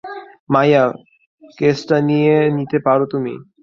মাইয়া, কেসটা নিয়ে নিতে পারো তুমি।